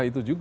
ya itu juga